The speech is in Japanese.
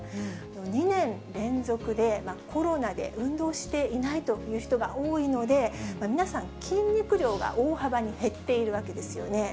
２年連続でコロナで運動していないという人が多いので、皆さん、筋肉量が大幅に減っているわけですよね。